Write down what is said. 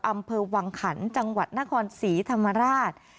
อำเภอวังขันจังหวัดนครศรีธรรมราช